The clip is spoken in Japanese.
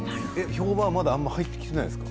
評判はまだあまり入ってきていないですか？